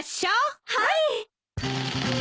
はい！